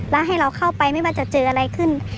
แล้วให้เราเข้าไปไม่ว่าจะเจออะไรขึ้น